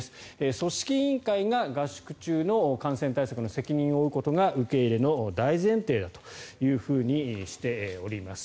組織委員会が合宿中の感染対策の責任を負うことが受け入れの大前提だとしております。